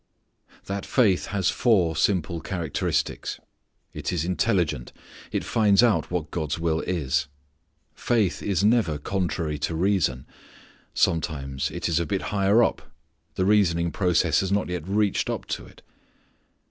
That faith has four simple characteristics. It is intelligent. It finds out what God's will is. Faith is never contrary to reason. Sometimes it is a bit higher up; the reasoning process has not yet reached up to it.